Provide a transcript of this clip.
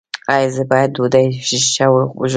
ایا زه باید ډوډۍ ښه وژووم؟